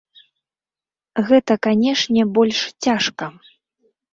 Гэта, канешне, больш цяжка.